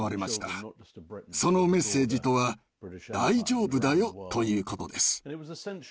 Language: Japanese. そのメッセージとは「大丈夫だよ」ということです。